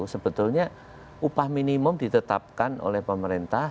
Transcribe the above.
sebetulnya upah minimum ditetapkan oleh pemerintah